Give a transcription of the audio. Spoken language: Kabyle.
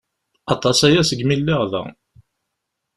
Aṭas-aya segmi lliɣ da.